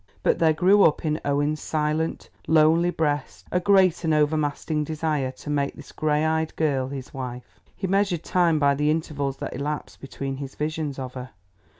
But there grew up in Owen's silent, lonely breast a great and overmastering desire to make this grey eyed girl his wife. He measured time by the intervals that elapsed between his visions of her.